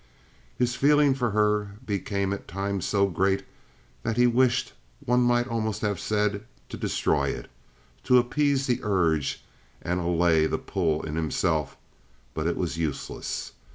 His feeling for her became at times so great that he wished, one might almost have said, to destroy it—to appease the urge and allay the pull in himself, but it was useless.